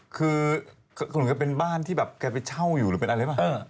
คือคุณหนุ่มก็เป็นบ้านที่แบบแกไปเช่าอยู่หรือเป็นอะไรหรือเปล่า